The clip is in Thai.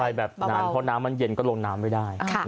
ไปแบบนั้นเพราะน้ำมันเย็นก็ลงน้ำไม่ได้